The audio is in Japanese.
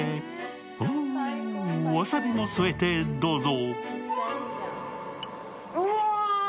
ほぅ、わさびも添えてどうぞ。